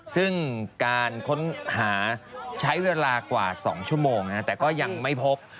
ซึ่งการค้นหาใช้เวลากว่า๒ชั่วโมงแต่ก็ยังไม่พบ